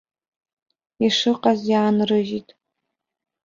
Ишыҟаз иаанрыжьит.